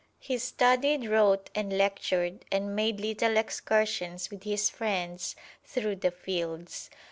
He studied, wrote and lectured, and made little excursions with his friends through the fields.